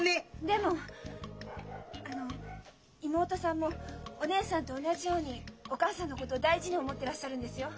でもあの妹さんもお姉さんと同じようにお母さんのこと大事に思ってらっしゃるんですよ。